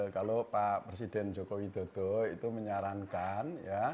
kalau pak presiden joko widodo itu menyarankan ya